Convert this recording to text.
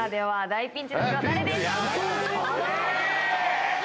はい。